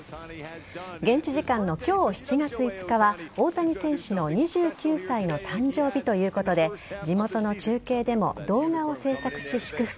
現地時間の今日７月５日は大谷選手の２９歳の誕生日ということで地元の中継でも動画を制作し、祝福。